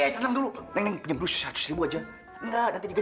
jadi lu jangan salahin gua dong salahin dia